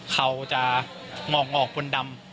เขาจะเหงอกผลดำ